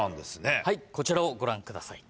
はいこちらをご覧ください。